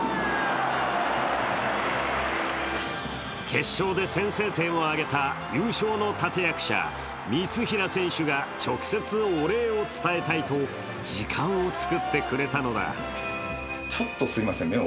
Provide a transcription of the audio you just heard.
決勝で先制点を挙げた優勝の立役者、三平選手が直接お礼を伝えたいと時間を作ってくれたのだ。